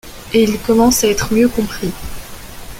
Et il commence à être mieux compris.